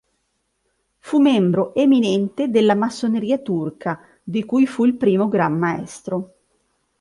Fu membro eminente della massoneria turca, di cui fu il primo Gran maestro.